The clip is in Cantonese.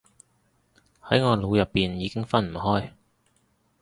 喺我腦入面已經分唔開